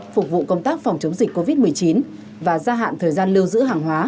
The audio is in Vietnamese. phục vụ công tác phòng chống dịch covid một mươi chín và gia hạn thời gian lưu giữ hàng hóa